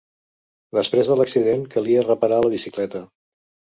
Després de l'accident, calia reparar la bicicleta.